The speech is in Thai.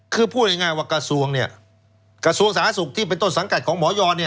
คือพูดง่ายว่ากระทรวงสหสุทธิ์ที่เป็นต้นสังกัดของหมอยอล